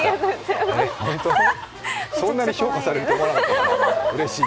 そんなに評価されると思わなかったからうれしい。